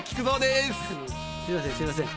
すみませんすみません